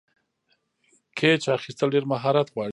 کېچ اخیستل ډېر مهارت غواړي.